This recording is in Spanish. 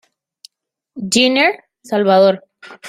Giner, Salvador.